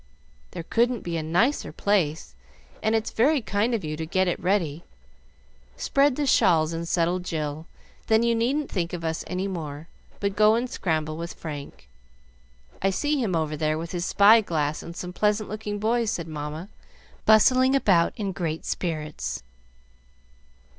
"There couldn't be a nicer place, and it is very kind of you to get it ready. Spread the shawls and settle Jill, then you needn't think of us any more, but go and scramble with Frank. I see him over there with his spy glass and some pleasant looking boys," said Mamma, bustling about in great spirits.